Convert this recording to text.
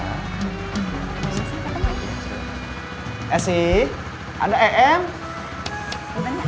boleh sih ketemu aja